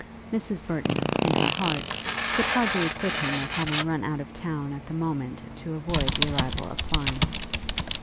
Mrs. Burton, in her heart, could hardly acquit him of having run out of town at the moment to avoid the arrival of Florence.